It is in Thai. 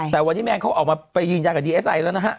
แต่วันนี้แมงเขาออกไปยืนยังดีไอ้ใสแล้วนะฮะ